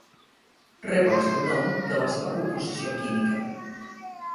Rep el seu nom de la seva composició química.